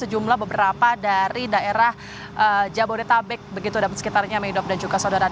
sejumlah beberapa dari daerah jabodetabek begitu dan sekitarnya dok dan juga saudara